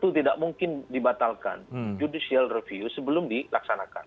itu tidak mungkin dibatalkan judicial review sebelum dilaksanakan